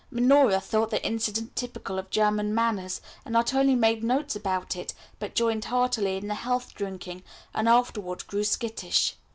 Minora thought the incident typical of German manners, and not only made notes about it, but joined heartily in the health drinking, and afterward grew skittish.